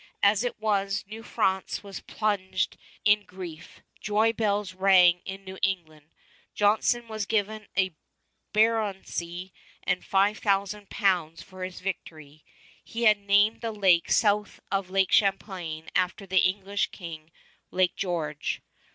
As it was, New France was plunged in grief; joy bells rang in New England. Johnson was given a baronetcy and 5000 pounds for his victory. He had named the lake south of Lake Champlain after the English King, Lake George.